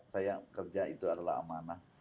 saya kerja itu adalah amanah